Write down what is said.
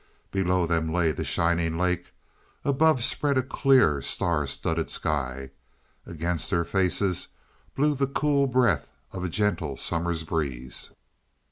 Below them lay the shining lake, above spread a clear, star studded sky. Against their faces blew the cool breath of a gentle summer's breeze.